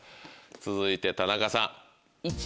続いて田中さん。